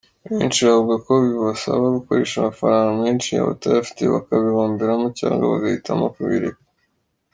Benshi bavuga ko bibasaba gukoresha amafaranga menshi abatayafite bakabihomberamo cyangwa bagahitamo kubireka.